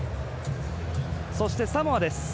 そして、サモアです。